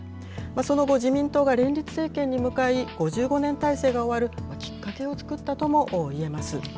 その後、自民党が連立政権に向かい、５５年体制が終わるきっかけを作ったともいえます。